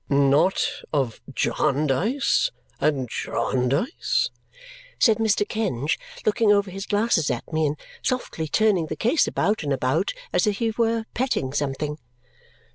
"Not of Jarndyce and Jarndyce?" said Mr. Kenge, looking over his glasses at me and softly turning the case about and about as if he were petting something.